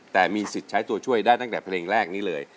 แต่มีสิทธิ์ใช้ตัวช่วยได้ตั้งแต่เพลงแรกนี้เลย